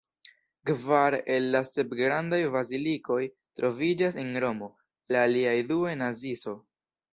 Kvar el la sep grandaj bazilikoj troviĝas en Romo, la aliaj du en Asizo.